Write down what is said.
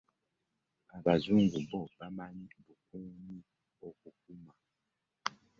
Abazungu bbo bamanyi bukunji okukuuma .